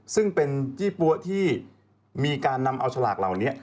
ซึ่งเป็นยี่ปั๊วที่มีการนำเอาฉลากเหล่านี้